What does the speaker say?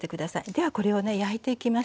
ではこれをね焼いていきます。